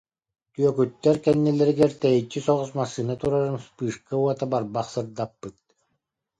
Түөкүттэр кэнни- лэригэр тэйиччи соҕус массыына турарын вспышка уота барбах сырдаппыт